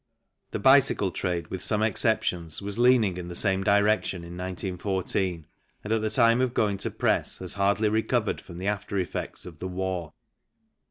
The bicycle trade, with some exceptions, was leaning in the same direction in 1914, and at the time of going to press has hardly recovered from the after effects of the war.